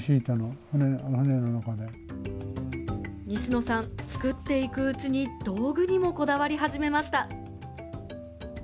西野さん作っていくうちに道具にもこだわり始めました。